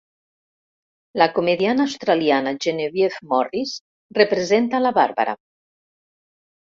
La comediant australiana Genevieve Morris representa la Barbara.